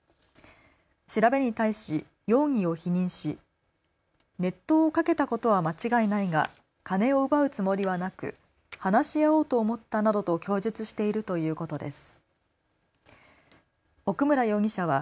調べに対し容疑を否認し熱湯をかけたことは間違いないが金を奪うつもりはなく話し合おうと思ったなどと供述しているということです。